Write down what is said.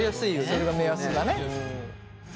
それが目安だね。